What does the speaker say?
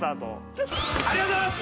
ありがとうございます！